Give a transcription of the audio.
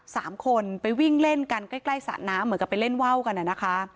สามคนไปวิ่งเล่นกันใกล้ใกล้สระน้ำเหมือนกับไปเล่นว่าวกันอ่ะนะคะ